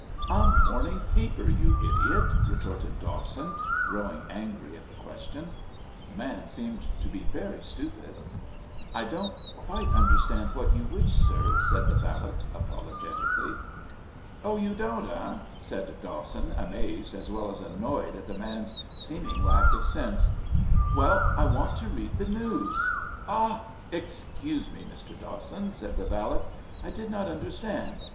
"A morning paper, you idiot!" retorted Dawson, growing angry at the question. The man seemed to be so very stupid. "I don't quite understand what you wish, sir," said the valet, apologetically. "Oh, you don't, eh?" said Dawson, amazed as well as annoyed at the man's seeming lack of sense. "Well, I want to read the news " "Ah! Excuse me, Mr. Dawson," said the valet. "I did not understand.